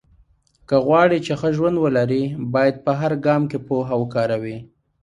که غواړې چې ښه ژوند ولرې، باید په هر ګام کې پوهه وکاروې.